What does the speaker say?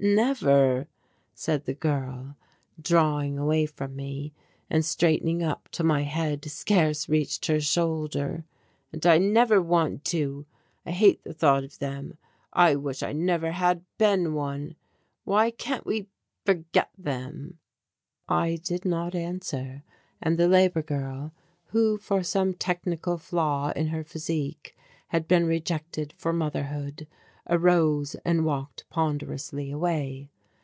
"Never," said the girl, drawing away from me and straightening up till my head scarce reached her shoulder. "And I never want to. I hate the thought of them. I wish I never had been one. Why can't we forget them?" I did not answer, and the labour girl, who, for some technical flaw in her physique had been rejected for motherhood, arose and walked ponderously away.